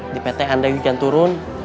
di pt anda hujan turun